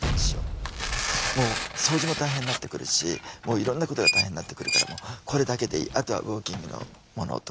掃除も大変になってくるしいろんなことが大変になってくるからこれだけでいいあとはウォーキングのものとか。